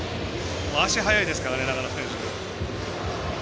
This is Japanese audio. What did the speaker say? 足、速いですからね、中野選手。